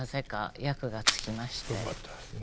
よかったですね。